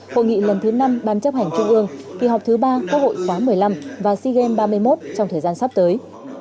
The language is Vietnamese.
hội nghị lần thứ năm ban chấp hành trung ương kỳ họp thứ ba quốc hội khóa một mươi năm và sea games ba mươi một trong thời gian sắp tới